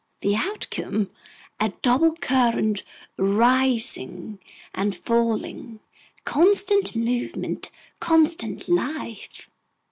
The outcome: a double current, rising and falling, constant movement, constant life!